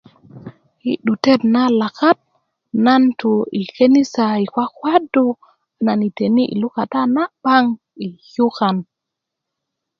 i 'dutet na lakat nan tu i kenisa i kwakwadu nan yiteni i lukata na 'baŋ i yukan